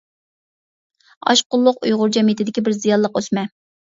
ئاشقۇنلۇق ئۇيغۇر جەمئىيىتىدىكى بىر زىيانلىق ئۆسمە.